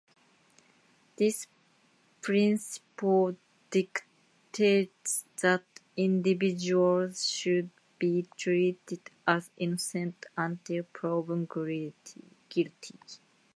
This principle dictates that individuals should be treated as innocent until proven guilty.